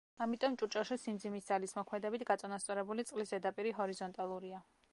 ამიტომ ჭურჭელში სიმძიმის ძალის მოქმედებით გაწონასწორებული წყლის ზედაპირი ჰორიზონტალურია.